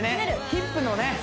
ヒップのね